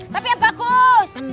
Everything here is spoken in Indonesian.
tapi yang bagus